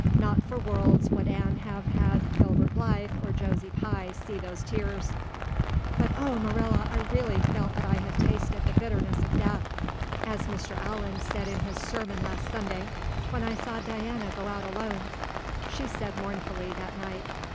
Not for worlds would Anne have had Gilbert Blythe or Josie Pye see those tears. "But, oh, Marilla, I really felt that I had tasted the bitterness of death, as Mr. Allan said in his sermon last Sunday, when I saw Diana go out alone," she said mournfully that night.